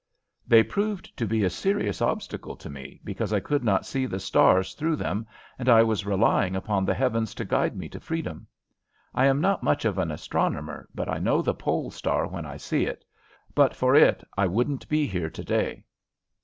They proved to be a serious obstacle to me, because I could not see the stars through them, and I was relying upon the heavens to guide me to freedom. I am not much of an astronomer, but I know the Pole Star when I see it. But for it I wouldn't be here to day!